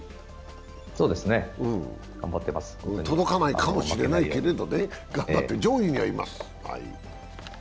届かないかもしれないけれども、頑張って上位にはいます。